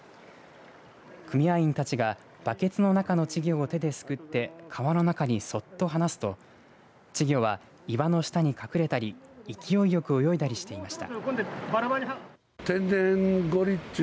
組合員たちがバケツの中の稚魚を手ですくって川の中にそっと放すと稚魚は岩の下に隠れたり勢いよく泳いだりしていました。